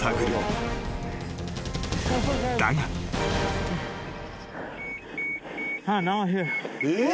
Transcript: ［だが］えっ？